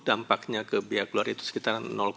dampaknya ke biaya keluar itu sekitar